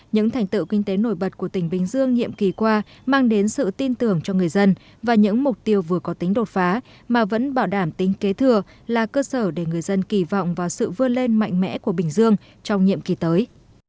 những thành tựu kinh tế nổi bật của tỉnh bình dương nhiệm kỳ qua mang đến sự tin tưởng cho người dân và những mục tiêu vừa có tính đột phá mà vẫn bảo đảm tính kế thừa là cơ sở để người dân kỳ vọng vào sự vươn lên mạnh mẽ của bình dương trong nhiệm kỳ tới